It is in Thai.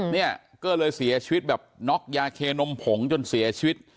เนี่ยก็เลยเสียชีวิตแบบน็อกยาเคนมผงจนเสียชีวิต